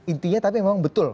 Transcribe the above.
intinya tapi memang betul